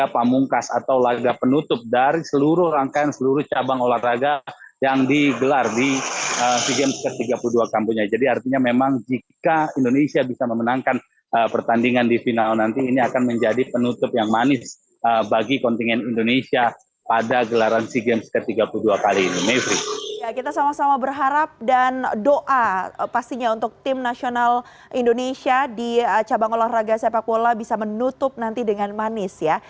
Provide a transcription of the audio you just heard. kita sama sama berharap dan doa pastinya untuk tim nasional indonesia di cabang olahraga sepak bola bisa menutup nanti dengan manis ya